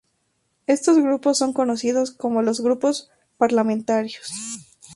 Estos grupos son conocidos como los grupos parlamentarios.